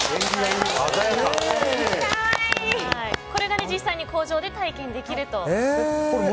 これが実際に工場で体験できると。